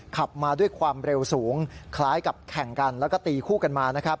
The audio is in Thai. ขับมาด้วยความเร็วสูงคล้ายกับแข่งกันแล้วก็ตีคู่กันมานะครับ